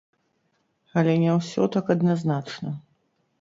Але не ўсё так адназначна.